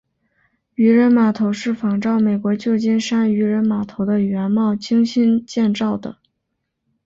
渔人码头是仿照美国旧金山渔人码头的原貌精心建造的。